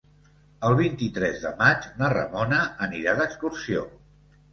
El vint-i-tres de maig na Ramona anirà d'excursió.